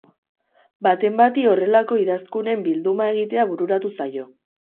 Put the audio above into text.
Baten bati horrelako idazkunen bilduma egitea bururatu zaio.